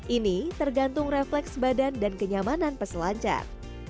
ini tergantung refleks badan dan kenyamanan peselancar